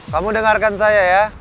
kamu dengarkan saya ya